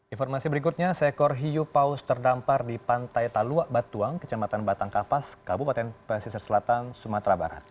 informasi berikutnya seekor hiu paus terdampar di pantai talua batuang kecamatan batang kapas kabupaten pesisir selatan sumatera barat